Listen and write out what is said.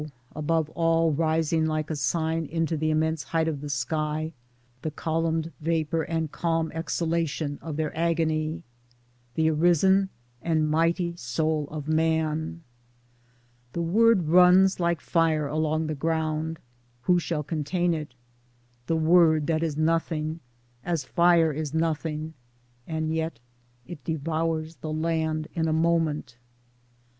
above all rising like a sign into the immense height of the sky, the columned vapor and calm exhalation of their agony —• The Arisen and mighty soul of Man ! 12 Towards Democracy [The word runs like fire along the ground ; who shall contain it ? the word that is nothing — as fire is nothing and yet it devours the land in a moment.